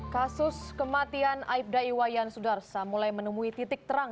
kasus kematian aibda iwayan sudarsa mulai menemui titik terang